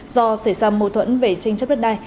do xảy ra mâu thuẫn về tranh chấp đất đai